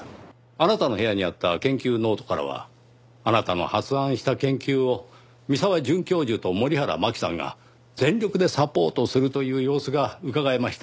あなたの部屋にあった研究ノートからはあなたの発案した研究を三沢准教授と森原真希さんが全力でサポートするという様子がうかがえました。